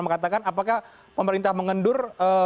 mengatakan apakah pemerintah mengendur